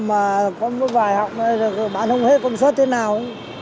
mà có một vài hạng bơm bán không hết công suất thế nào